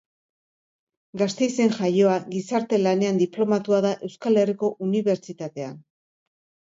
Gasteizen jaioa, Gizarte lanean diplomatua da Euskal Herriko Unibertsitatean.